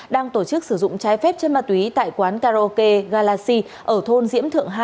đang tổ chức sử dụng trái phép chân ma túy tại quán karaoke galaxy ở thôn diễm thượng hai